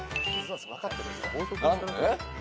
えっ？